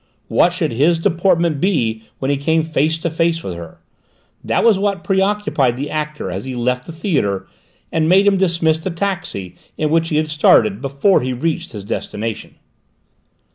What should his deportment be when he came face to face with her? That was what preoccupied the actor as he left the theatre, and made him dismiss the taxi in which he had started, before he reached his destination.